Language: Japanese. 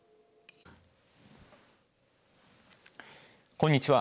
こんにちは。